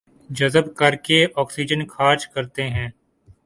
جذب کرکے آکسیجن خارج کرتے ہیں